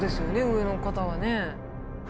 上の方はね。